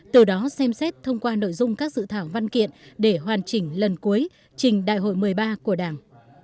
từ đó xem xét thông qua nội dung các dự thảo văn kiện để hoàn chỉnh lần cuối trình đại hội một mươi ba của đảng